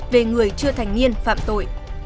về người chưa thành niên phạm tội